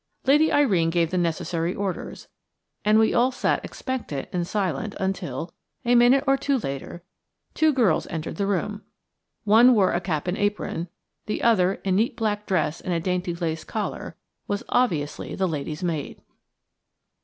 Lady Irene gave the necessary orders, and we all sat expectant and silent until, a minute or two later, two girls entered the room. One wore a cap and apron, the other, in neat black dress and dainty lace collar, was obviously the lady's maid.